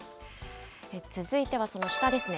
続いてはその下ですね。